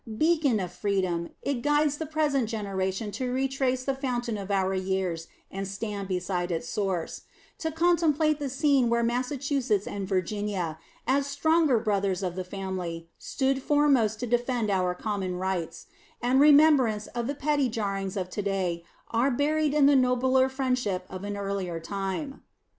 Beacon of freedom, it guides the present generation to retrace the fountain of our years and stand beside its source; to contemplate the scene where Massachusetts and Virginia, as stronger brothers of the family, stood foremost to defend our common rights; and remembrance of the petty jarrings of to day are buried in the nobler friendship of an earlier time.